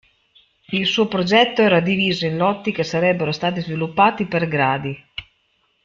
Il suo progetto era diviso in lotti che sarebbero stati sviluppati per gradi.